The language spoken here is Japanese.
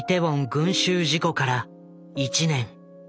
群集事故から１年。